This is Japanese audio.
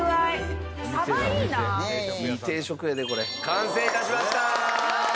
完成致しました！